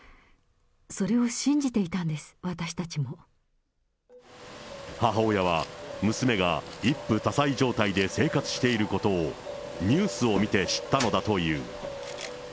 それを信じていたんです、私たち母親は、娘が一夫多妻状態で生活していることを、ニュースを見て知ったのだという。